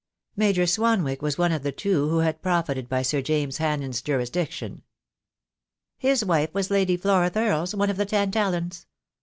Major Swanwick was one of the two who had profited by Sir James Hannen's jurisdiction. "His wife was Lady Flora Thurles, one of the Tan tallans.